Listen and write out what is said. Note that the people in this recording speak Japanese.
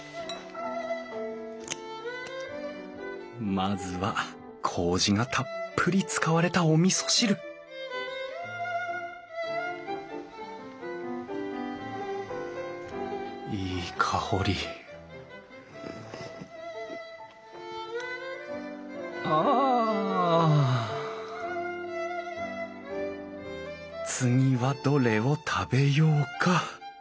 まずはこうじがたっぷり使われたおみそ汁いい香りあ次はどれを食べようか。